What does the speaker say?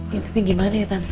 ya tapi gimana ya kan